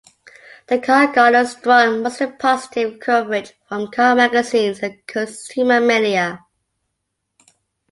The car garnered strong, mostly positive, coverage from car magazines and consumer media.